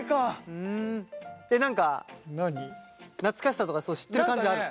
えっ何か懐かしさとかそういう知ってる感じがある？